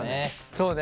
そうね。